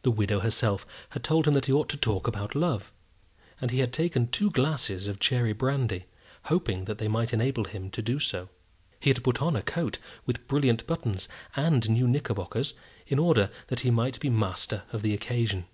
The widow herself had told him that he ought to talk about love; and he had taken two glasses of cherry brandy, hoping that they might enable him to do so. He had put on a coat with brilliant buttons, and new knickerbockers, in order that he might be master of the occasion.